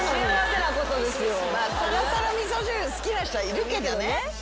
さらさら味噌汁好きな人はいるけどね。